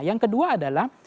yang kedua adalah